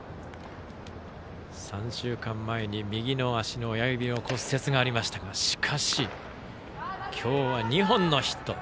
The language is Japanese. ３週間前に右の足の親指の骨折がありましたがしかし、今日は２本のヒット。